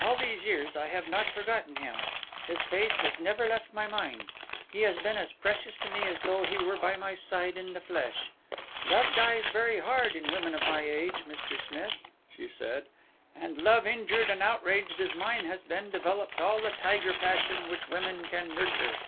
"All these years I have not forgotten him, his face has never left my mind, he has been as precious to me as though he were by my side in the flesh. Love dies very hard in women of my age, Mr. Smith," she said, "and love injured and outraged as mine has been developed all the tiger passion which women can nurture.